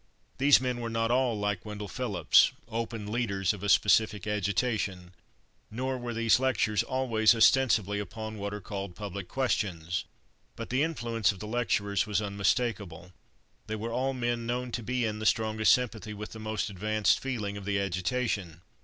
These men were not all like Wendell Phillips, open leaders of a specific agitation, nor were these lectures always ostensibly upon what are called public questions. But the influence of the lecturers was unmistakable. They were all men known to be in the strongest sympathy with the most advanced feeling of the agitation.